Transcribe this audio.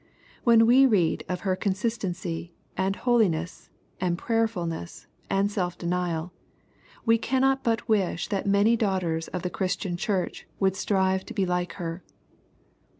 When we read of her consis tency, and holiness, and prayerfulness, and self denial, we cannot but wish that many daughters of the Christian Church would strive to be like her.